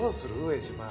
江島。